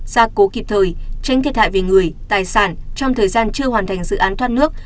gia cố kịp thời tránh thiệt hại về người tài sản trong thời gian chưa hoàn thành dự án thoát nước